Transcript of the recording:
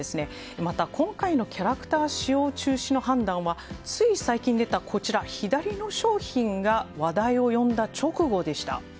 また、今回のキャラクター使用中止の判断はつい最近出た、左の商品が話題を呼んだ直後でした。